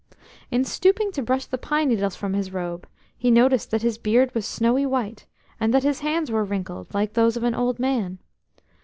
In stooping to brush the pine needles from his robe he noticed that his beard was snowy white, and that his hands were wrinkled, like those of an old man.